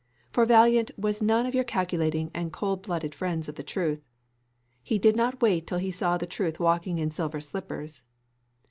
For Valiant was none of your calculating and cold blooded friends of the truth. He did not wait till he saw the truth walking in silver slippers.